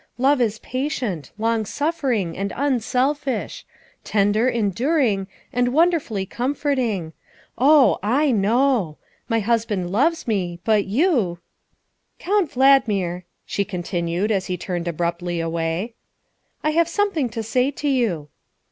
Love is patient, long suffer ing, and unselfish; tender, enduring, and wonderfully comforting. Oh, I know. My husband loves me, but you " Count Valdmir, " she continued as he turned ab ruptly away, " I have something to say to you."